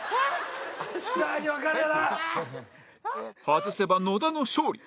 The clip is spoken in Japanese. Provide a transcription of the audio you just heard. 外せば野田の勝利